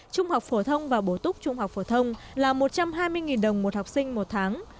trung học phổ thông và bổ túc trung học phổ thông là một trăm hai mươi đồng một học sinh một tháng